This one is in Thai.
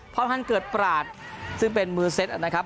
พรพันธ์เกิดปราศซึ่งเป็นมือเซ็ตนะครับ